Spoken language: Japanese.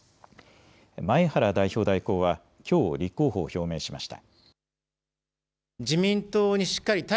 前原代表代行はきょう立候補を表明しました。